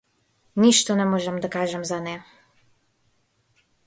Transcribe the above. Ништо не можам да кажам за неа.